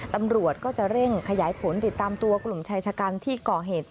ตำรวจก็จะเร่งขยายผลติดตามตัวกลุ่มชายชะกันที่ก่อเหตุ